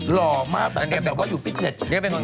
หล่อมากแต่แกแบบว่าอยู่ฟิตเน็ต